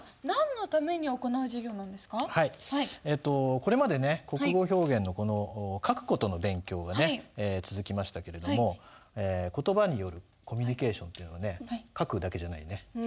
これまでね「国語表現」のこの書く事の勉強がね続きましたけれども言葉によるコミュニケーションっていうのはね書くだけじゃないよね。